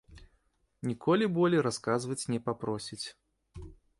Ніколі болей расказваць не папросіць.